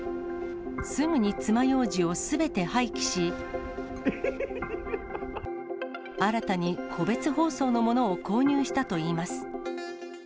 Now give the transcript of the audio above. すぐにつまようじをすべて廃棄し、新たに個別包装のものを購入したといいます。